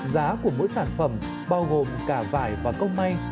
giá của mỗi sản phẩm bao gồm cả vải và công may